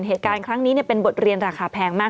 เหตุการณ์ครั้งนี้เป็นบทเรียนราคาแพงมาก